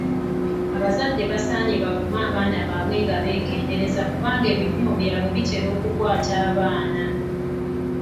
Abazadde basaanye bavume abaana nga beegendereza kubanga ebivumo byabwe bitera okukwata abaana.